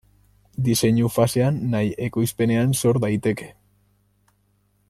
Diseinu fasean nahi ekoizpenean sor daiteke.